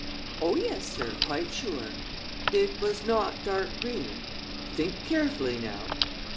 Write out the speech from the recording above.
"Oh, yes, sir; quite sure." "It was not dark green? Think carefully, now!"